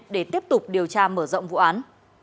để tiếp tục điều tra mở rộng vụ án